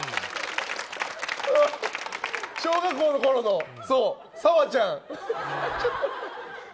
小学校のころの、そう、澤ちゃん。